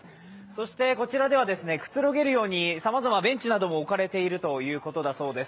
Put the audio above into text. そして、こちらではくつろげるようにさまざま、ベンチなども置かれているそうです。